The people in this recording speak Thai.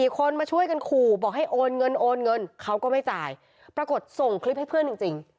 คนมาช่วยกันขู่บอกให้โอนเงินโอนเงินเขาก็ไม่จ่ายปรากฏส่งคลิปให้เพื่อนจริง